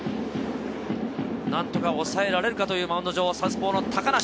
なんとか抑えられるかというマウンド上、サウスポーの高梨。